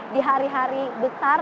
di hari hari besar